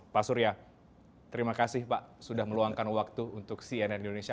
pak surya terima kasih pak sudah meluangkan waktu untuk cnn indonesia